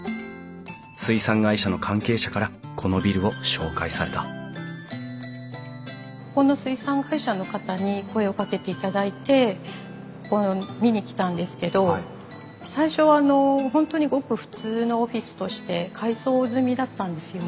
水産会社の関係者からこのビルを紹介されたここの水産会社の方に声をかけていただいてここを見に来たんですけど最初はあの本当にごく普通のオフィスとして改装済みだったんですよね。